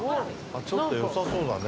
ちょっと良さそうだね。